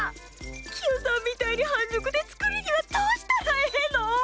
キヨさんみたいに半熟で作るにはどうしたらええの？